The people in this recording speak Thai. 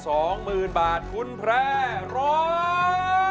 เพลงที่๒มูลค่า๒๐๐๐๐บาทคุณแพร่ร้อง